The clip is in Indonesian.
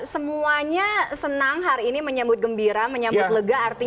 semuanya senang hari ini menyambut gembira menyambut lega